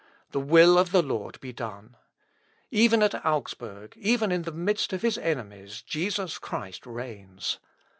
The will of the Lord be done. Even at Augsburg, even in the midst of his enemies, Jesus Christ reigns.